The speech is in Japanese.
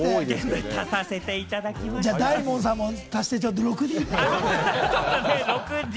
じゃあ大門さんも足して６Ｄ。